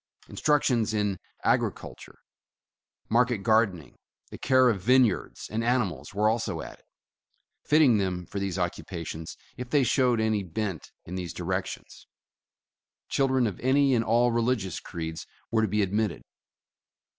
Instruction in agriculture, market gardening, the care of vineyards and animals were also added, fitting them for these occupations if they showed any bent in these directions. Children of any and all religious creeds were to be admitted.